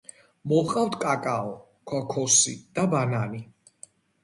მოჰყავთ კაკაო, ქოქოსი და ბანანი.